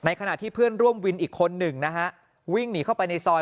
ขณะที่เพื่อนร่วมวินอีกคนหนึ่งนะฮะวิ่งหนีเข้าไปในซอย